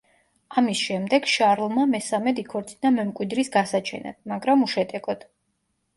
ამის შემდეგ შარლმა მესამედ იქორწინა მემკვიდრის გასაჩენად, მაგრამ უშედეგოდ.